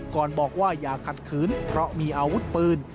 ก่อนบอกว่าอย่าขัดขืนเพราะมีอาวุธปืน